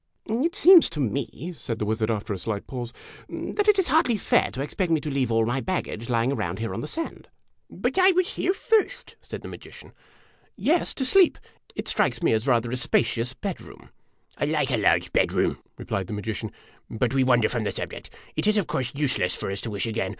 " It seems to me," said the wizard, after a slight pause, "that it is hardly fair to expect me to leave all my baggage lying around here on the sand !"" But I was here first," said the magician. <_>" Yes, to sleep. It strikes me as rather a spacious bedroom !"" I like a large bedroom," replied the magician. " But we wan der from the subject. It is, ot course, useless for us to wish again.